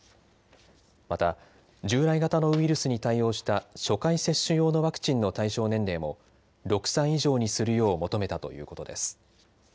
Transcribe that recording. また従来型のウイルスに対応した初回接種用のワクチンの対象年齢も６歳以上にするよう求めたということです。